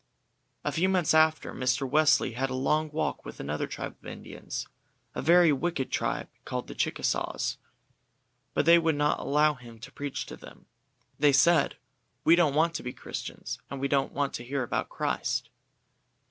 A few months after, Mr. Wesley had a long talk with another tribe of Indians, a very wicked tribe called the Chicasaws; but they would not allow him to preach to them. They said: "We don't want to be Christians, and we won't hear about Christ."